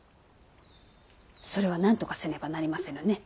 それはなんとかせねばなりませぬね。